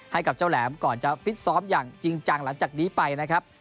ให้กับเจ้าแหลมก่อนจะฟิตซ้อมอย่างจริงจังหลังจากนี้ไปนะครับ